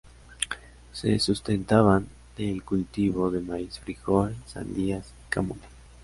Se sustentaban de el cultivo de maíz, frijol, sandías y camote.